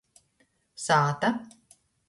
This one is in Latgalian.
Sāta.